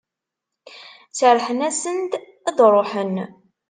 Serrḥen-asen-d ad d-ruḥen.